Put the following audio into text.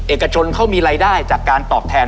เอกชนเขามีรายได้จากการตอบแทน